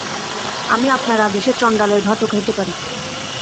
আমি আপনার আদেশে চণ্ডালের ভাতও খাইতে পারি।